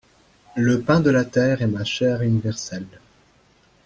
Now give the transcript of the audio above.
Le pain de la terre est ma chair universelle.